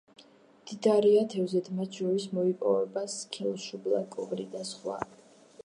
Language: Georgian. მდიდარია თევზით, მათ შორის მოიპოვება სქელშუბლა, კობრი და სხვა.